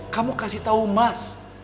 kamu kasih tahu mas